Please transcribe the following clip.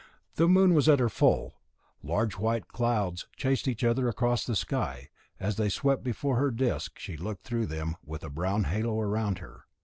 The moon was at her full; large white clouds chased each other across the sky, and as they swept before her disk she looked through them with a brown halo round her.